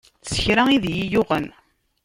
S kra i d iyi-yuɣen.